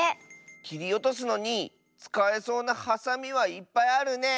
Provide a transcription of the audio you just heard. きりおとすのにつかえそうなハサミはいっぱいあるね。